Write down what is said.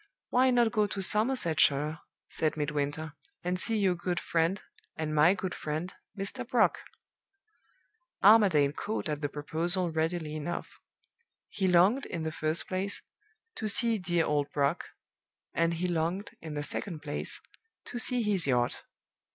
'Why not go to Somersetshire,' said Midwinter, 'and see your good friend, and my good friend, Mr. Brock?' "Armadale caught at the proposal readily enough. He longed, in the first place, to see 'dear old Brock,' and he longed, in the second place, to see his yacht.